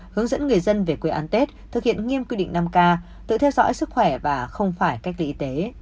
hướng dẫn người dân về quê ăn tết thực hiện nghiêm quy định năm k tự theo dõi sức khỏe và không phải cách ly y tế